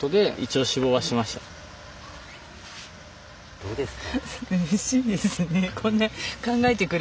どうですか？